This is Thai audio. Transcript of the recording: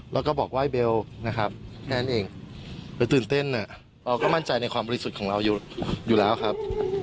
เราก็มั่นใจในความฟรีสุทธิ์ของเราอยู่แล้วครับ